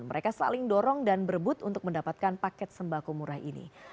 mereka saling dorong dan berebut untuk mendapatkan paket sembako murah ini